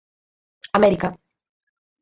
América.